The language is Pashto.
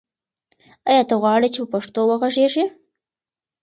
آیا ته غواړې چې په پښتو وغږېږې؟